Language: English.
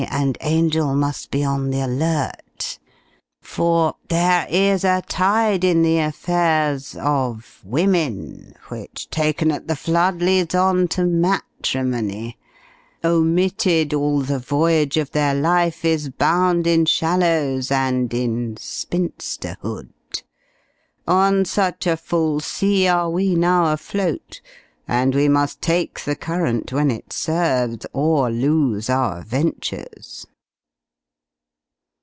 and Angel. must be on the alert, for 'There is a tide in the affairs of women, Which, taken at the flood, leads on to matrimony; Omitted, all the voyage of their life Is bound in shallows, and in spinsterhood. On such a full sea are we now afloat; And we must take the current when it serves, Or lose our ventures.'"